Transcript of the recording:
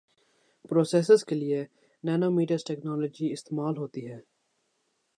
processors کے لئے nanometer technology استعمال ہوتی ہے